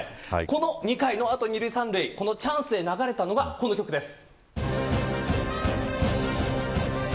この２回の後、２塁３塁チャンスで流れたのがこの曲です。